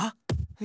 え。